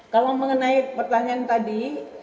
kalau mengenai pertanyaan tadi